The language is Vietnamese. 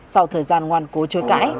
sau thời gian ngoan cố chối cãi